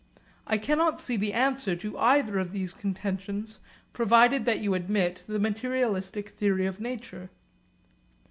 I cannot see the answer to either of these contentions provided that you admit the materialistic theory of nature.